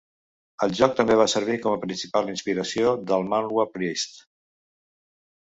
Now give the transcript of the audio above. El joc també va servir com a principal inspiració del manhwa "Priest".